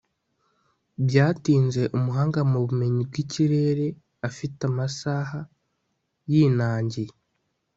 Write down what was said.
Byatinze umuhanga mu bumenyi bwikirere afite amasaha yinangiye